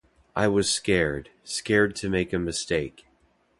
I was scared - scared to make a mistake.